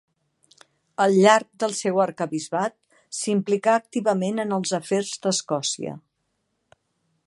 Al llarg del seu arquebisbat, s'implicà activament en els afers d'Escòcia.